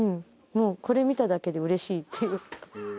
もうこれ見ただけで嬉しいっていうか。